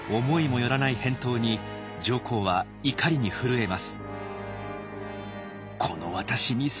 思いも寄らない返答に上皇は怒りに震えます。